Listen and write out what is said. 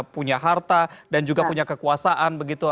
punya harta dan juga punya kekuasaan begitu